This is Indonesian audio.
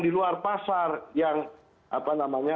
di luar pasar yang